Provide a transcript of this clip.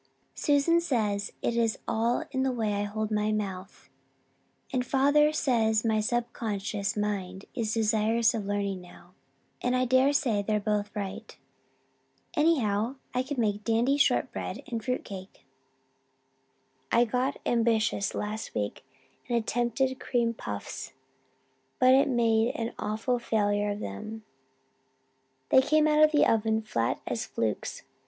Susan says it is all in the way I hold my mouth and father says my subconscious mind is desirous of learning now, and I dare say they're both right. Anyhow, I can make dandy short bread and fruitcake. I got ambitious last week and attempted cream puffs, but made an awful failure of them. They came out of the oven flat as flukes.